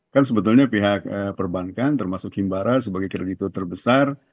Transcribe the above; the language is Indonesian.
kan sebetulnya pihak perbankan termasuk himbara sebagai kreditur terbesar